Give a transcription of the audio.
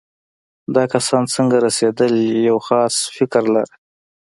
دا کسان څنګه رسېدل یو خاص فکر لاره.